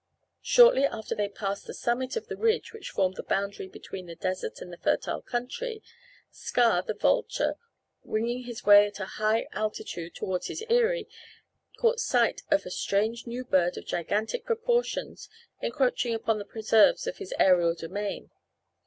Shortly after they passed the summit of the ridge which formed the boundary between the desert and the fertile country, Ska, the vulture, winging his way at a high altitude toward his aerie, caught sight of a strange new bird of gigantic proportions encroaching upon the preserves of his aerial domain.